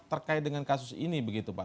terkait dengan kasus ini begitu pak